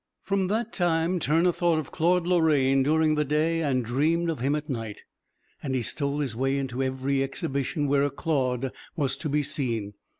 From that time Turner thought of Claude Lorraine during the day and dreamed of him at night, and he stole his way into every exhibition where a Claude was to be seen.